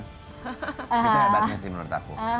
kemudian tugasnya sih menurutku